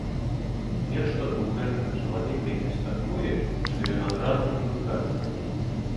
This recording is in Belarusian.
Нешта ў гэтага чалавека ёсць такое, што ён адразу не выказвае.